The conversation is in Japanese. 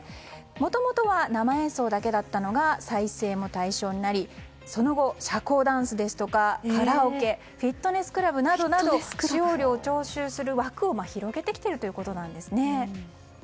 もともとは生演奏だけだったのが再生も対象になりその後、社交ダンスですとかカラオケフィットネスクラブなどなど使用料を徴収する枠を広げてきているわけなんですね。